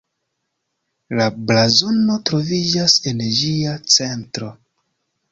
La blazono troviĝas en ĝia centro.